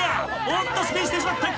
おっとスピンしてしまった。